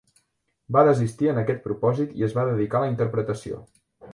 Va desistir en aquest propòsit i es va dedicar a la interpretació.